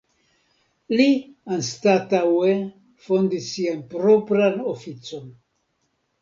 Li anstataŭe fondis sian propran oficon.